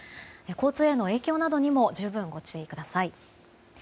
交通への影響などにも十分ご注意ください。